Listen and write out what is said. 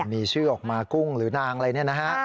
มีชื่อออกมากุ้งหรือนางอะไรเนี่ยนะฮะ